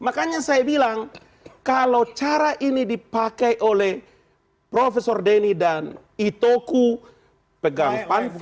makanya saya bilang kalau cara ini dipakai oleh profesor denny dan itoku pegang pamfud